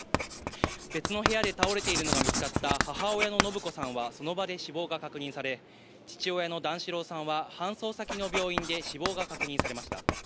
別の部屋で倒れているのが見つかった母親の延子さんは、その場で死亡が確認され、父親の段四郎さんは搬送先の病院で死亡が確認されました。